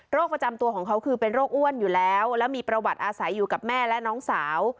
ประจำตัวของเขาคือเป็นโรคอ้วนอยู่แล้วแล้วมีประวัติอาศัยอยู่กับแม่และน้องสาว